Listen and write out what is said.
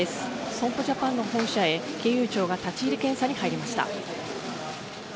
損保ジャパンの本社へ金融庁が立ち入り検査に入りました。